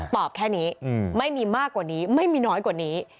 แค่นี้ไม่มีมากกว่านี้ไม่มีน้อยกว่านี้